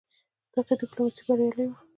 د هغه ډيپلوماسي بریالی وه.